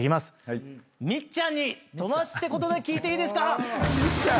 みっちゃんに友達ってことで聞いていいですか？